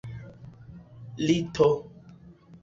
lito